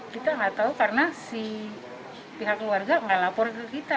kita tidak tahu karena pihak keluarga tidak laporkan ke kita